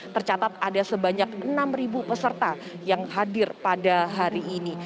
tercatat ada sebanyak enam peserta yang hadir pada hari ini